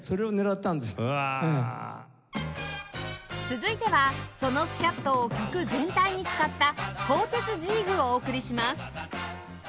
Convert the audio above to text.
続いてはそのスキャットを曲全体に使った『鋼鉄ジーグ』をお送りします